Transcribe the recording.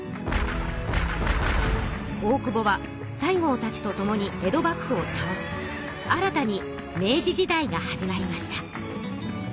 大久保は西郷たちとともに江戸幕府をたおし新たに明治時代が始まりました。